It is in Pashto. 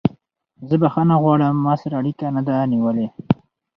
زه بخښنه غواړم ما سره اړیکه نه ده نیولې.